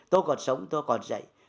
tôi còn sống tôi còn dạy